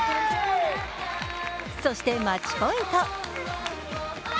そしてマッチポイント。